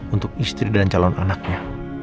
untuk istri dan calon anaknya